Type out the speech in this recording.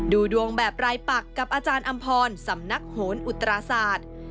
ดูดวงแบบรายปักกับอาจารย์อำพรสำนักโหนอุตราศาสตร์